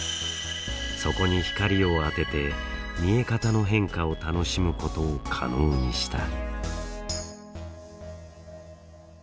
そこに光を当てて見え方の変化を楽しむことを可能にした。